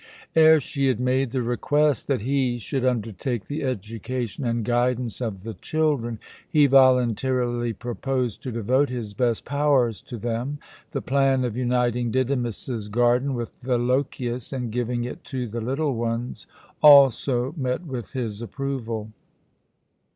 Ere she had made the request that he should undertake the education and guidance of the children, he voluntarily proposed to devote his best powers to them. The plan of uniting Didymus's garden with the Lochias and giving it to the little ones also met with his approval.